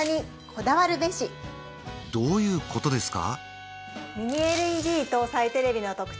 どういうことですか？